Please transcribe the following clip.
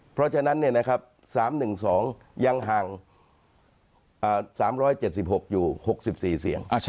เพราะฉะนั้น๓๑๒ยังห่าง๓๗๖อยู่๖๔เสียง